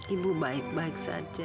ibu baik baik saja